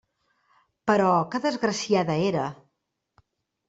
Però que desgraciada era!